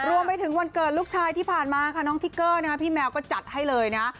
รวมไปถึงวันเกิดลูกชายที่ผ่านมาค่ะน้องทิกเกอร์พี่แมวก็จัดให้เลยนะ